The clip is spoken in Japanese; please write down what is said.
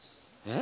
え。